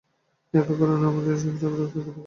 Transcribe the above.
একই কারণে এই অবস্থা কখনও দুই প্রকার হইতে পারে না।